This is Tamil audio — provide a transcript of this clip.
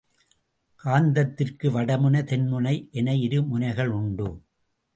காந்தத்திற்கு வடமுனை, தென்முனை என இரு முனைகள் உண்டு.